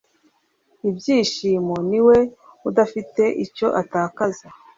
Ibyishimo niwe udafite icyo atakaza